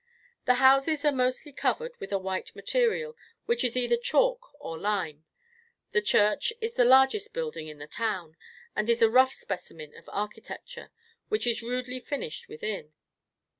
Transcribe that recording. The houses are mostly covered with a white material, which is either chalk or lime. The church is the largest building in the town, and is a rough specimen of architecture, which is rudely finished within.